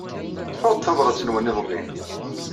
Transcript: Ḍḍfeɣ-d tabṛat-nwen iḍelli.